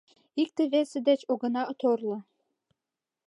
«Икте-весе деч огына торло.